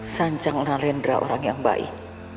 sancang nalendra orang yang baik